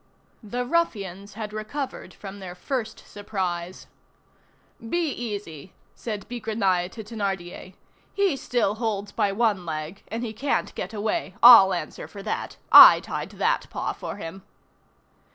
The ruffians had recovered from their first surprise. "Be easy," said Bigrenaille to Thénardier. "He still holds by one leg, and he can't get away. I'll answer for that. I tied that paw for him."